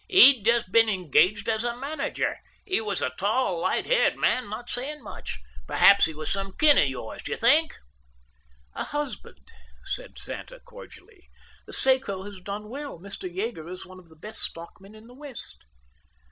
He'd just been engaged as manager. He was a tall, light haired man, not saying much. Perhaps he was some kin of yours, do you think?" "A husband," said Santa cordially. "The Seco has done well. Mr. Yeager is one of the best stockmen in the West."